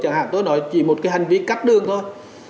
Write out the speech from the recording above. chẳng hạn tôi nói chỉ một cái hành vi cắt đường thôi